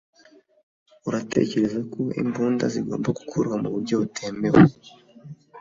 uratekereza ko imbunda zigomba gukorwa mu buryo butemewe